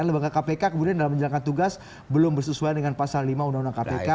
lembaga kpk kemudian dalam menjalankan tugas belum bersesuaian dengan pasal lima undang undang kpk